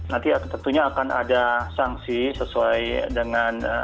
nanti tentunya akan ada sanksi sesuai dengan